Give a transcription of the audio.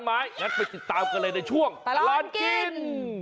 งั้นไปติดตามกันเลยในช่วงตลอดกิน